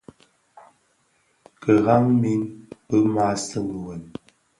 Kidhaň min bi maa seňi wêm.